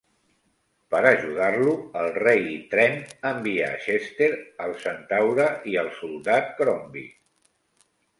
Per ajudar-lo, el Rei Trent envia a Chester, el Centaure, i al soldat Crombie.